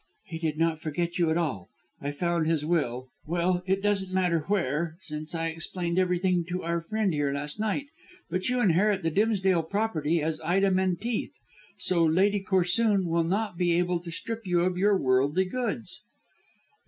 "He did not forget you at all. I found this will well it doesn't matter where, since I explained everything to our friend here last night. But you inherit the Dimsdale property as Ida Menteith, so Lady Corsoon will not be able to strip you of your worldly goods."